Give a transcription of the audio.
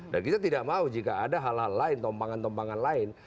dan kita tidak mau jika ada hal hal lain tompangan tompangan lain